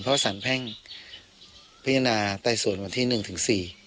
เพราะสารแพ่งพิจารณาไต่สวนวันที่๑ถึง๔